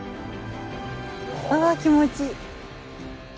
あ気持ちいい。